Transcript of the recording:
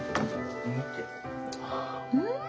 うん！